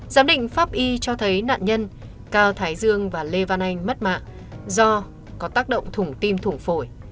giám định pháp y cho thấy nạn nhân cao thái dương và lê văn anh mất mạng do có tác động thủng tim thủng phổi